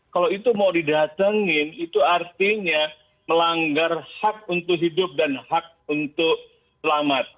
kalau itu mau didatengin itu artinya melanggar hak untuk hidup dan hak untuk selamat